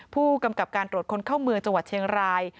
ผู้กำกับการตรวจคนเข้าเมืองจังหวัดเชียงราย